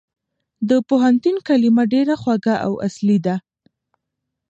د پوهنتون کلمه ډېره خوږه او اصلي ده.